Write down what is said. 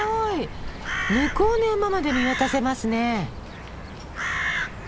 向こうの山まで見渡せますね。